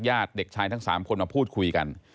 เด็กชายทั้ง๓คนมาพูดคุยกัน